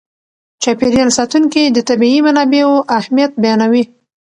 چاپېر یال ساتونکي د طبیعي منابعو اهمیت بیانوي.